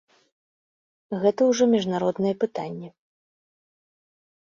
Гэта ўжо міжнародныя пытанні.